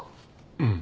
うん。